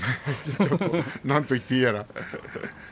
ちょっと何と言っていいやら。